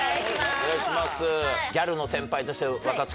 お願いします。